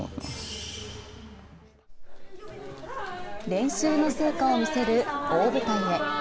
練習の成果を見せる大舞台へ。